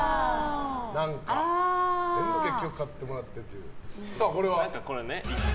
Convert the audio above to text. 全部、結局買ってもらってと。